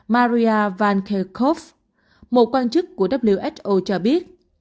maria van kerkhove một quan chức của who cho biết